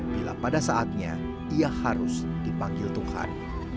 bila pada saatnya ia harus dipanggil tuhan